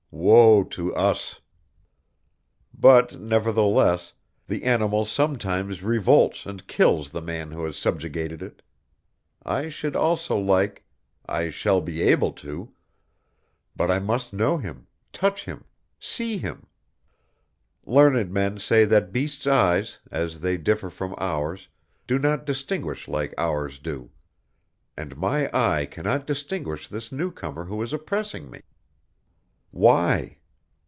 Woe to us! But, nevertheless, the animal sometimes revolts and kills the man who has subjugated it.... I should also like ... I shall be able to ... but I must know him, touch him, see him! Learned men say that beasts' eyes, as they differ from ours, do not distinguish like ours do ... And my eye cannot distinguish this newcomer who is oppressing me. Why?